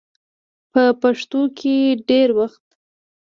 په پښتو کې ډېر وخت